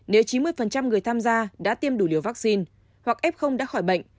nếu chín mươi người tham gia đã tiêm đủ liều vaccine hoặc f đã khỏi bệnh